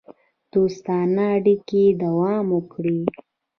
دوستانه اړیکې دوام وکړي.